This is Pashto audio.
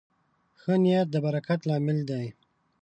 ښه نیت د برکت لامل دی.